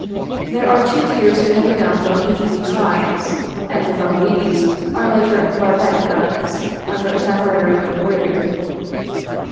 There are two tiers of heavy guns on each of these sides, and above these, are lighter barbette guns under a temporary wooden roof.